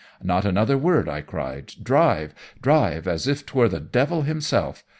'Not another word,' I cried. 'Drive drive as if 'twere the devil himself.